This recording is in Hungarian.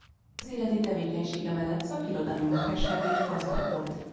Közéleti tevékenysége mellett szakirodalmi munkássága is gazdag volt.